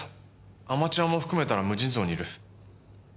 アマチュアも含めたら無尽蔵にいる。